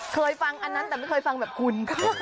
เคยฟังอันนั้นแต่ไม่เคยฟังแบบคุณ